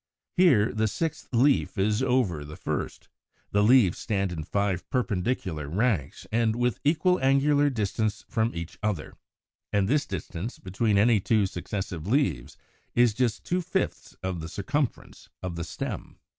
Here the sixth leaf is over the first; the leaves stand in five perpendicular ranks, with equal angular distance from each other; and this distance between any two successive leaves is just two fifths of the circumference of the stem.